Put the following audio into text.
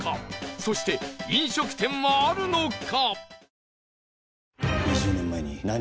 そして飲食店はあるのか？